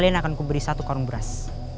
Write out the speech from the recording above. kalian akan kuberi satu karung beras